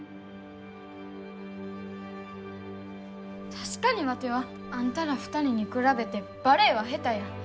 確かにワテはあんたら２人に比べてバレエは下手や。